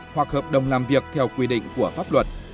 hoặc hợp đồng làm việc theo quy định của pháp luật